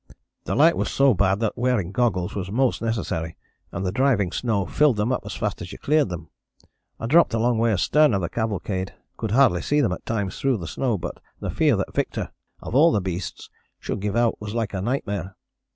The light was so bad that wearing goggles was most necessary, and the driving snow filled them up as fast as you cleared them. I dropped a long way astern of the cavalcade, could hardly see them at times through the snow, but the fear that Victor, of all the beasts, should give out was like a nightmare.